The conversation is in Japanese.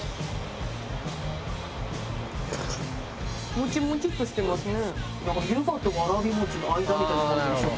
もちもちっとしてますね。